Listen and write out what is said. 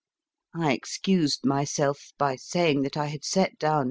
I excused myself by saying that I had set down nothing MR.